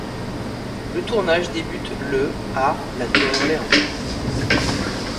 Le tournage débute le à La Nouvelle-Orléans.